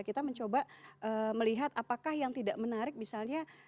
kita mencoba melihat apakah yang tidak menarik misalnya